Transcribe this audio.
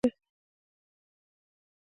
د چيندرو لوبه د نجونو ده.